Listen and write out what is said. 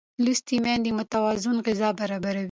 لوستې میندې متوازنه غذا برابروي.